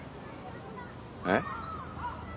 えっ？